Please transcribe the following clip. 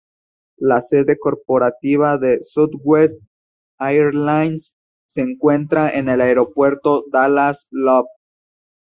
La sede corporativa de Southwest Airlines se encuentra en el Aeropuerto Dallas Love.